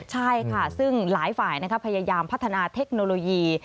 ใช่ค่ะซึ่งหลายฝ่ายพยายามพัฒนาเทคโนโลยี